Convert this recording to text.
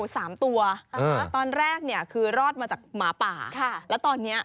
ติดตามทางราวของความน่ารักกันหน่อย